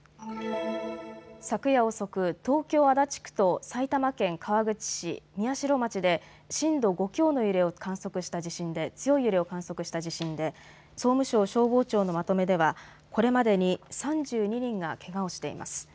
昨夜遅く、東京足立区と埼玉県川口市、宮代町で震度５強の強い揺れを観測した地震で総務省消防庁のまとめではこれまでに３２人がけがをしています。